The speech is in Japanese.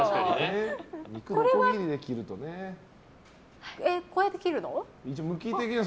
これは、こうやって切るの？